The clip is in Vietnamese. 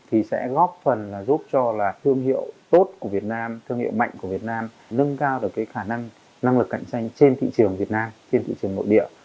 thì sẽ góp phần là giúp cho là thương hiệu tốt của việt nam thương hiệu mạnh của việt nam nâng cao được cái khả năng năng lực cạnh tranh trên thị trường việt nam trên thị trường nội địa